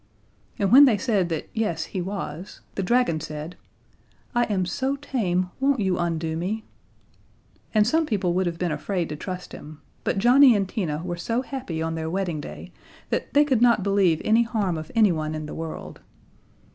And when they said that yes, he was, the dragon said: "I am so tame, won't you undo me?" And some people would have been afraid to trust him, but Johnnie and Tina were so happy on their wedding day that they could not believe any harm of anyone in the world.